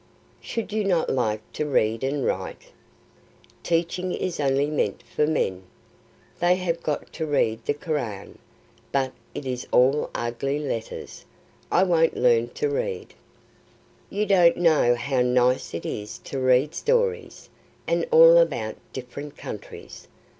"Should you not like to read and write?" "Teaching is only meant for men. They have got to read the Koran, but it is all ugly letters; I won't learn to read." "You don't know how nice it is to read stories, and all about different countries.